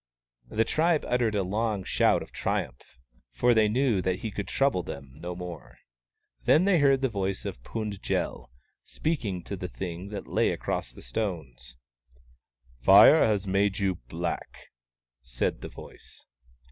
The tribe uttered a long shout of triumph, for they knew that he could trouble them no more. Then they heard the voice of Fund j el, speaking to the thing that lay across the stones. " Fire has made you black," said the voice.